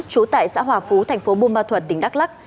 trú tại xã hòa phú thành phố buôn ma thuật tỉnh đắk lắc